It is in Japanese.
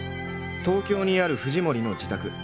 東京にある藤森の自宅。